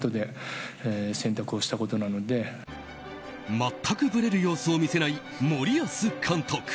全くブレる様子を見せない森保監督。